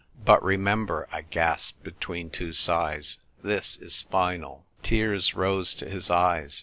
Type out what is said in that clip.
"But remember," I gasped, between two sighs, "this is final." Tears rose to his eyes.